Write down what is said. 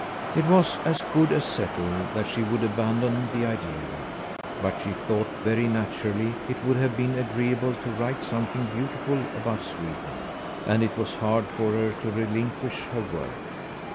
It was as good as settled that she would abandon the idea. But she thought, very naturally, it would have been agreeable to write something beautiful about Sweden, and it was hard for her to relinquish her work.